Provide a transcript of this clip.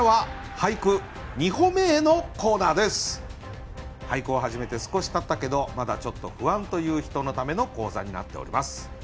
俳句を始めて少したったけどまだちょっと不安という人のための講座になっております。